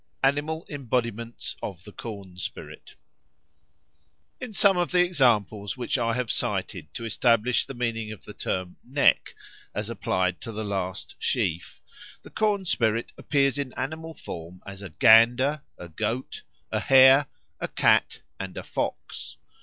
Animal Embodiments of the Corn spirit IN SOME of the examples which I have cited to establish the meaning of the term "neck" as applied to the last sheaf, the corn spirit appears in animal form as a gander, a goat, a hare, a cat, and a fox.